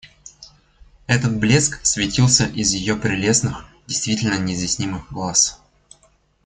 Этот блеск светился из ее прелестных, действительно неизъяснимых глаз.